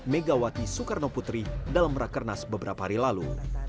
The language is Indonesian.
megawati soekarnoputri dalam rak kernas beberapa hari lalu